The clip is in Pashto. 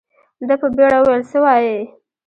ده په بيړه وويل څه وايې.